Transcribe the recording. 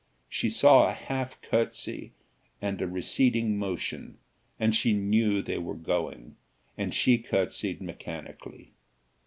She saw a half curtsey and a receding motion; and she knew they were going, and she curtsied mechanically.